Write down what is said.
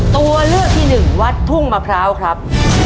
ตัวเลือกที่หนึ่งวัดทุ่งมะพร้าวครับ